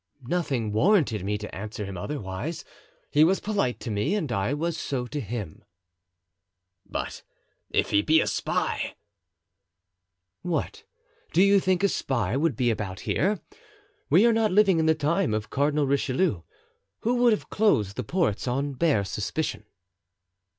"Nothing warranted me to answer him otherwise; he was polite to me and I was so to him." "But if he be a spy——" "What do you think a spy would be about here? We are not living in the time of Cardinal Richelieu, who would have closed the ports on bare suspicion."